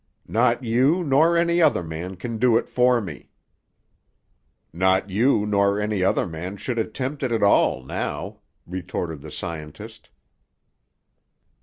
"Not you, nor any other man, can do it for me." "Not you, nor any other man, should attempt it at all, now," retorted the scientist.